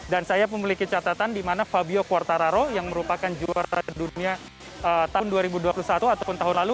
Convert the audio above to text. dan saya memiliki catatan di mana fabio quartaro yang merupakan juara dunia tahun dua ribu dua puluh satu ataupun tahun lalu